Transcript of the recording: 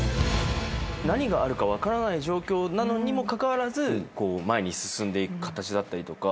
何があるか分からない状況なのにもかかわらず前に進んでいく形だったりとか。